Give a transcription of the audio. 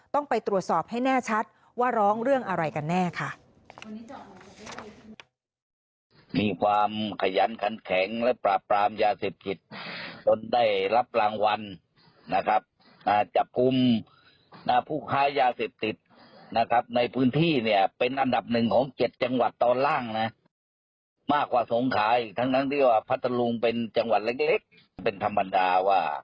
ต้องไปตรวจสอบให้แน่ชัดว่าร้องเรื่องอะไรกันแน่ค่ะ